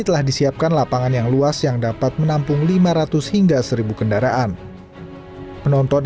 telah disiapkan lapangan yang luas yang dapat menampung lima ratus hingga seribu kendaraan penonton